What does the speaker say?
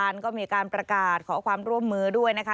ก็มีการประกาศขอความร่วมมือด้วยนะคะ